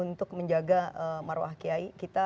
untuk menjaga marwah kiai kita